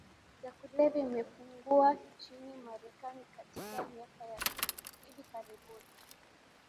za kulevya imepungua nchini Marekani katika miaka ya hivi karibuni